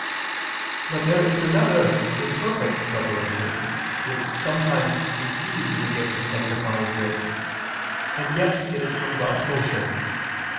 But there is another imperfect preparation, which sometimes precedes the gift of sanctifying grace, and yet it is from God's motion.